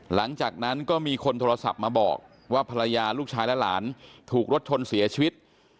หลังจากนั้นก็มีคนโทรศัพท์มาบอกว่าภรรยาลูกชายและหลานถูกรถชนเสียชีวิต